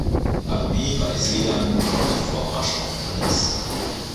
Armee bei Sedan und beim Vormarsch auf Paris.